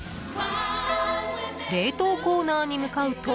冷凍コーナーに向かうと